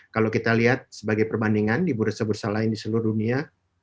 kalau kita lihat sebagai perbandingan di bursa bursa lain di seluruh dunia